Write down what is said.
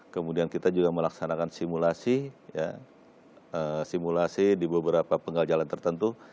kemudian kita juga melaksanakan simulasi simulasi di beberapa penggal jalan tertentu